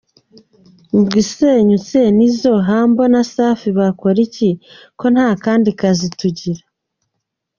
Ubwo isenyutse Nizzo, Humble na Safi bakora iki, ko nta kandi kazi tugira?”.